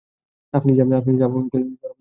আপনি যা ভালো মনে করেন।